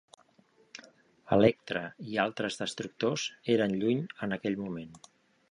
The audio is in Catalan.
"Electra" i altres destructors eren lluny en aquell moment.